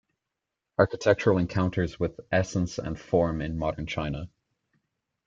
"Architectural Encounters With Essence and Form in Modern China".